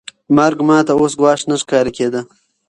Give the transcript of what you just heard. مرګ ما ته اوس ګواښ نه ښکاره کېده.